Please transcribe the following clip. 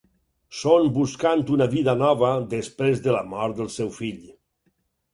Són buscant una vida nova després de la mort del seu fill.